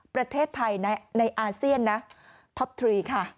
ประเทศไทยในอาเซียนนะท็อปทรีค่ะ